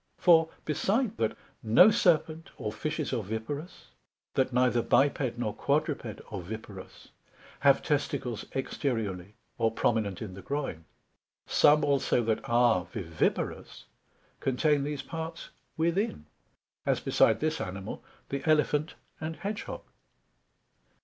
For beside that, no Serpent, or Fishes oviparous, that neither biped nor quadruped oviparous have testicles exteriourly, or prominent in the groin; some also that are viviparous contain these parts within, as beside this Animal, the Elephant and Hedg hog.